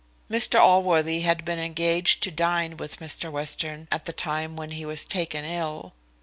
Mr Allworthy had been engaged to dine with Mr Western at the time when he was taken ill.